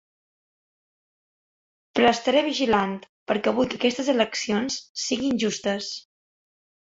Però estaré vigilant, perquè vull que aquestes eleccions siguin justes.